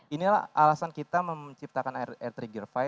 inilah alasan kita menciptakan air trigger lima